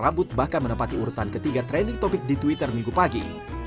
rambut bahkan menempati urutan ketiga trending topic di twitter minggu pagi